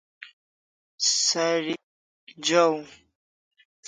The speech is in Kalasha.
Sarikjaw